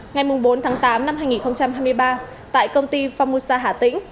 ngày bốn tám hai nghìn hai mươi ba tại công ty phong musa hà tĩnh